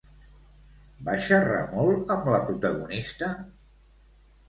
Va xerrar molt amb la protagonista?